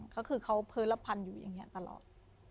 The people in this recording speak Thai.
ก็คือเขาเพ้อละพันอยู่อย่างนี้ตลอด